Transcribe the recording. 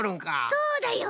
そうだよ。